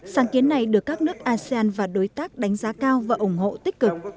sáng kiến này được các nước asean và đối tác đánh giá cao và ủng hộ tích cực